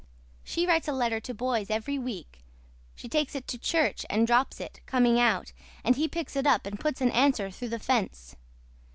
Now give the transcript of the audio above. SHE WRITES A LETTER TO BOYS EVERY WEEK SHE TAKES IT TO CHURCH AND DROPS IT COMING OUT AND HE PICKS IT UP AND PUTS AN ANSWER THROUGH THE FENCE.